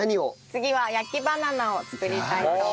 次は焼きバナナを作りたいと思います。